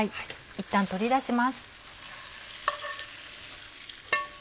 いったん取り出します。